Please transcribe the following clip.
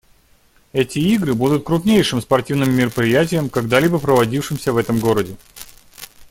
Эти игры будут крупнейшим спортивным мероприятием, когда-либо проводившимся в этом городе.